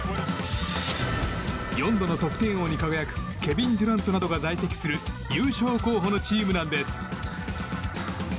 ４度の得点王に輝くケビン・デュラントなどが在籍する優勝候補のチームなんです。